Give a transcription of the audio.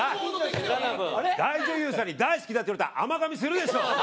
大女優さんに大好きだって言われたらアマガミするでしょ。